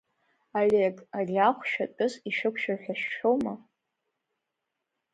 Олег, ари ахә шәатәыс ишәықәшәар ҳәа шәшәома?